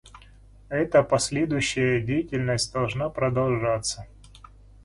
Эта последующая деятельность должна продолжаться.